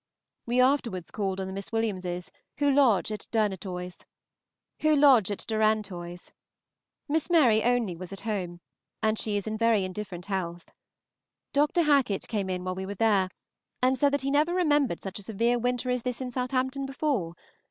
We afterwards called on the Miss Williamses, who lodge at Durantoy's. Miss Mary only was at home, and she is in very indifferent health. Dr. Hacket came in while we were there, and said that he never remembered such a severe winter as this in Southampton before.